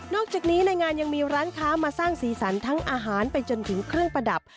จากนี้ในงานยังมีร้านค้ามาสร้างสีสันทั้งอาหารไปจนถึงเครื่องประดับ